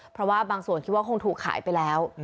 เพราะว่าบางส่วนคิดว่าคงถูกขายไปแล้ว